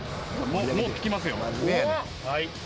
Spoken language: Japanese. もう着きますよ。